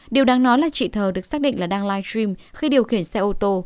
điều đáng nói là chị thờ được xác định là đang live stream khi điều khiển xe ô tô